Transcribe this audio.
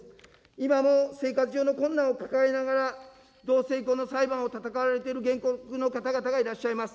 今も生活上の困難を抱えながら、同性婚の裁判を闘われている原告の方々がいらっしゃいます。